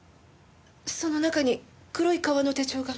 その中に黒い革の手帳が。